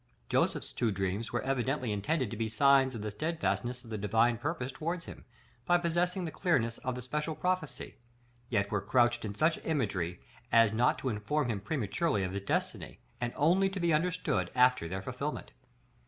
Joseph's two dreams were evidently intended to be signs of the steadfastness of the Divine purpose towards him, by possessing the clearness of special prophecy; yet were couched in such imagery, as not to inform him prematurely of his destiny, and only to be understood after their fulfilment.